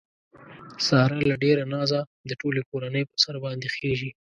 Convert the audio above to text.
ساره له ډېره نازه د ټولې کورنۍ په سر باندې خېژي.